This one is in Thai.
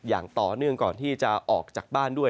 อย่างต่อเนื่องก่อนที่จะออกจากบ้านด้วย